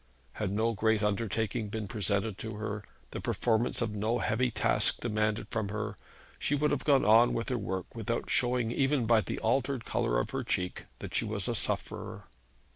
Had no great undertaking been presented to her, the performance of no heavy task demanded from her, she would have gone on with her work without showing even by the altered colour of her cheek that she was a sufferer.